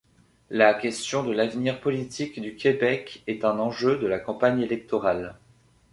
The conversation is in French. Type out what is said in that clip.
La question de l'avenir politique du Québec est un enjeu de la campagne électorale.